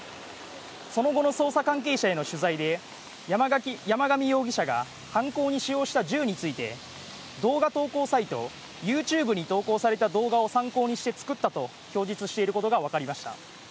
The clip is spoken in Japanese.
その後の捜査関係者への取材で、山上容疑者が犯行に使用した銃について、動画投稿サイト・ＹｏｕＴｕｂｅに投稿された動画を参考にして作ったと供述していることがわかりました。